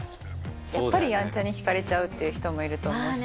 やっぱりやんちゃにひかれちゃうっていう人もいると思うし。